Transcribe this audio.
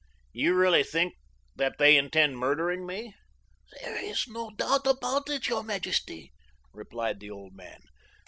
"You really think that they intend murdering me?" "There is no doubt about it, your majesty," replied the old man.